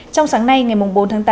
trong sáng nay ngày bốn tháng tám